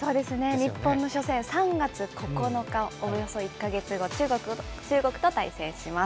日本の初戦、３月９日、およそ１か月後、中国と対戦します。